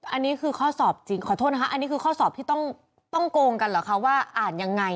อันนี้คือข้อสอบจริงขอโทษนะคะอันนี้คือข้อสอบที่ต้องโกงกันเหรอคะว่าอ่านยังไง